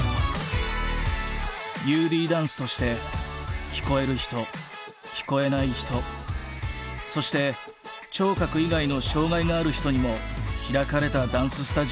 「ＵＤダンス」として聞こえる人聞こえない人そして聴覚以外の障害がある人にも開かれたダンススタジオを立ち上げた。